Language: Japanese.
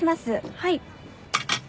はい。